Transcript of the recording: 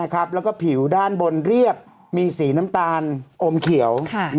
แล้วก็ผิวด้านบนเรียบมีสีน้ำตาลอมเขียว